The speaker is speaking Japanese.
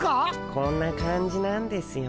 こんな感じなんですよ。